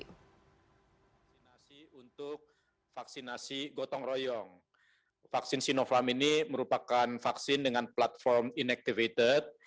vaksinasi untuk vaksinasi gotong royong vaksin sinovac ini merupakan vaksin dengan platform inactivated